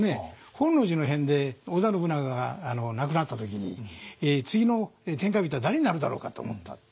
本能寺の変で織田信長が亡くなった時に次の天下人は誰になるだろうかと思った。